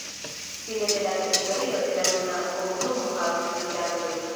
Fine de la teritorio de la nuna komunumo havis loĝantojn.